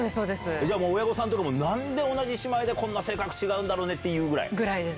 じゃ、親御さんとかもなんで同じ姉妹でこんな性格違うんだろうねっていぐらいです。